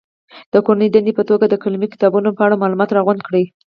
د کورنۍ دندې په توګه د قلمي کتابونو په اړه معلومات راغونډ کړي.